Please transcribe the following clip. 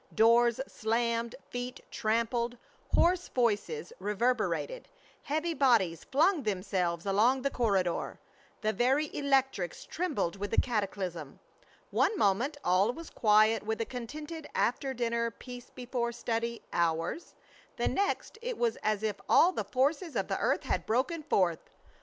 Doors slammed, feet trampled, hoarse voices reverberated, heavy bodies flung themselves along the corridor, the very electrics trembled with the cataclysm. One moment all was quiet with a contented after dinner peace before study hours; the next it was as if all the forces of the earth had broken forth.